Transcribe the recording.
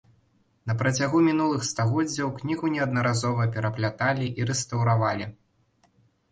На працягу мінулых стагоддзяў кнігу неаднаразова перапляталі і рэстаўравалі.